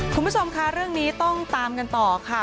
คุณผู้ชมค่ะเรื่องนี้ต้องตามกันต่อค่ะ